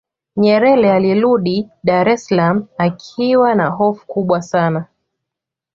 nyerere alirudi dar es salaam akiwa na hofu kubwa sana